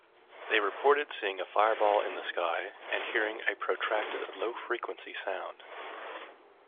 They reported seeing a fireball in the sky and hearing a protracted low-frequency sound.